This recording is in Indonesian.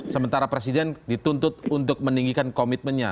sementara presiden dituntut untuk meninggikan komitmennya